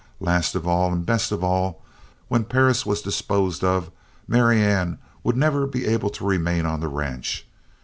Last of all, and best of all, when Perris was disposed of, Marianne would never be able to remain on the ranch.